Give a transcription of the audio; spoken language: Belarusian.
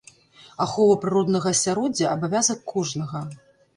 Ахова прыроднага асяроддзя — абавязак кожнага.